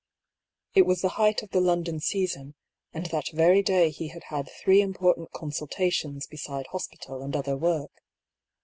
It was the height of the London season, and that very day he had had three important consultations be side hospital and other work.